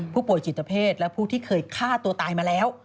ผู้ป่วยจิตเพศและผู้ที่เคยฆ่าตัวตายมาแล้ว